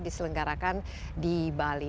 diselenggarakan di bali